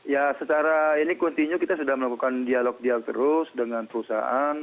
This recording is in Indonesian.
ya secara ini continue kita sudah melakukan dialog dialog terus dengan perusahaan